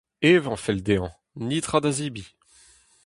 Evañ 'fell dezhañ ; netra da zebriñ.